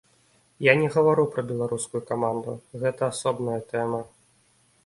Я не гавару пра беларускую каманду, гэта асобная тэма.